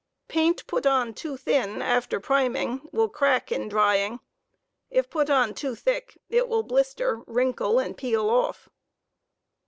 * Paint put on too thin, after priming, will crack in'dryingj if put on too thick, it will blister,, wrinkle, and peel off.